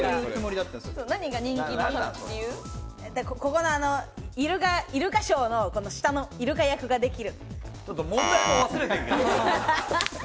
ここのイルカショーの下のイルカ役ができる。